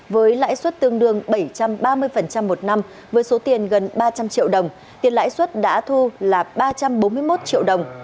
với lãi suất tương đương bảy trăm ba mươi một năm với số tiền gần ba trăm linh triệu đồng tiền lãi suất đã thu là ba trăm bốn mươi một triệu đồng